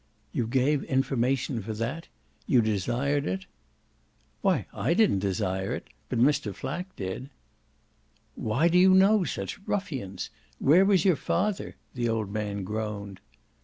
"You gave information for that? You desired it?" "Why I didn't desire it but Mr. Flack did." "Why do you know such ruffians? Where was your father?" the old man groaned.